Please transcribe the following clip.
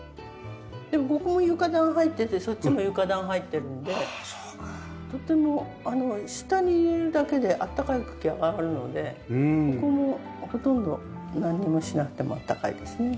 でもここ床暖入っててそっちも床暖入ってるのでとても下に入れるだけで暖かい空気が上がるのでここもほとんど何もしなくても暖かいですね。